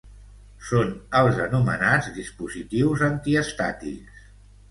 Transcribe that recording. Són els anomenats, dispositius antiestàtics.